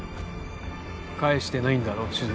返してないんだろ手術